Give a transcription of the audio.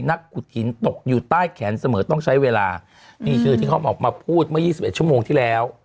นักขุดหินตกอยู่ใต้แขนเสมอต้องใช้เวลานี่คือที่เขาออกมาพูดเมื่อ๒๑ชั่วโมงที่แล้ว